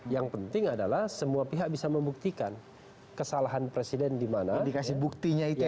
yang penting adalah semua pihak bisa membuktikan kesalahan presiden di mana buktinya itu